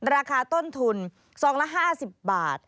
ราคาต้นทุนซองละ๕๐บาท